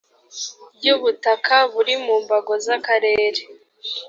ry ubutaka buri mu mbago z akarere